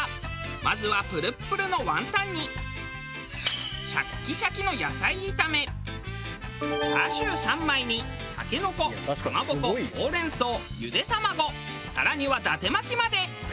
まずはプルップルのワンタンにシャッキシャキの野菜炒めチャーシュー３枚にタケノコかまぼこほうれん草ゆで卵更には伊達巻きまで。